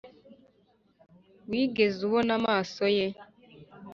wigeze ubona amaso ye